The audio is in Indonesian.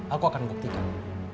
aku akan buktikan